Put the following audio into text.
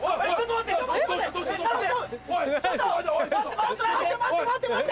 ちょっと待って待って！